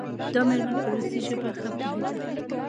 دا میرمن په روسي ژبه ښه پوهیده.